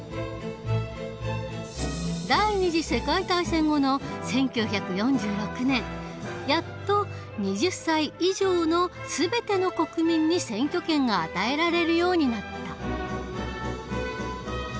第２次世界大戦後の１９４６年やっと２０歳以上の全ての国民に選挙権が与えられるようになった。